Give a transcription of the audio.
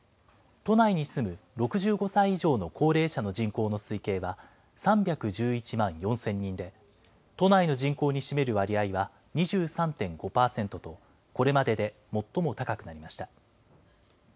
都内に住む６５歳以上の高齢者の人口の推計は、３１１万４０００人で、都内の人口に占める割合は２３．５％と、これまでで最も高くなりました。